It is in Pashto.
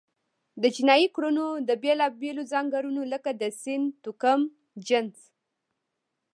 د جنایي کړنو د بیلابېلو ځانګړنو لکه د سن، توکم، جنس،